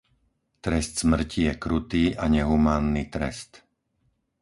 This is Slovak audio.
Trest smrti je krutý a nehumánny trest.